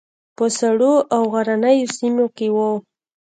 په سړو او غرنیو سیمو کې وو.